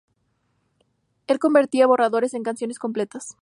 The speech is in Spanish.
Él convertía borradores en canciones completas.